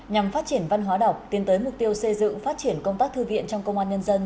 nhằm phát triển văn hóa đọc tiến tới mục tiêu xây dựng phát triển công tác thư viện trong công an nhân dân